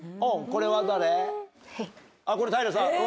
これ平さん。